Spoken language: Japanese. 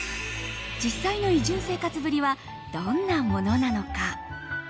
実際の移住生活ぶりはどんなものなのか。